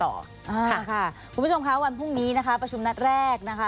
ค่ะคุณผู้ชมค่ะวันพรุ่งนี้นะคะประชุมนัดแรกนะคะ